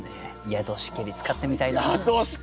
「宿しけり」使ってみたいな！